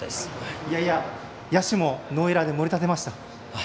いやいや、野手もノーエラーで盛り立てました。